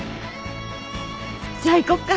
じゃあ行こっか。